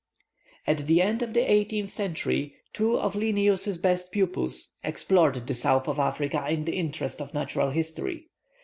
At the end of the eighteenth century, two of Linnæus's best pupils explored the south of Africa in the interests of natural history.